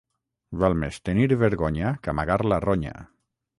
Val més tenir vergonya que amagar la ronya.